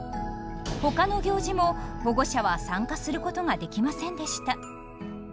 ほかの行事も保護者は参加することができませんでした。